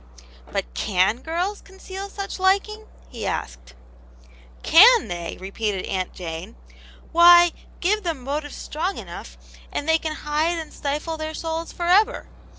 '* But can girls conceal such liking ?" he asked. " Can they V repeated Aunt Jane. "Why, give them motives strong enough and iVvey c^tv hide and Aunt Janets Hcro,^ 29 stifle their souls for ever.